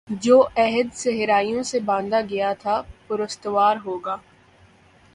جو عہد صحرائیوں سے باندھا گیا تھا پر استوار ہوگا